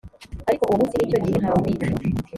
ariko uwo munsi n icyo gihe nta wubizi